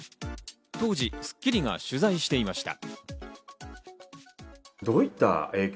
当時『スッキリ』が取材していました。